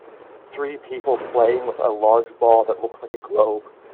Three people playing with a large ball that looks like a globe.